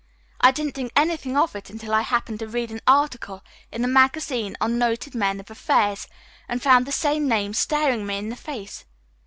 I didn't think anything of it until I happened to read an article in a magazine on noted men of affairs, and found the same name staring me in the face.